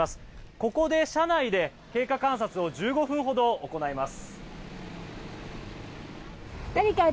ここで車内で経過観察を１５分ほど行います。